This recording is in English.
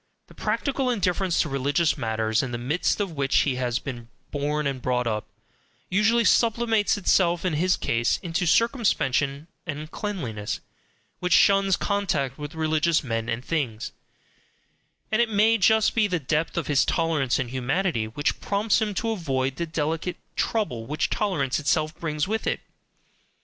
The practical indifference to religious matters in the midst of which he has been born and brought up, usually sublimates itself in his case into circumspection and cleanliness, which shuns contact with religious men and things; and it may be just the depth of his tolerance and humanity which prompts him to avoid the delicate trouble which tolerance itself brings with it.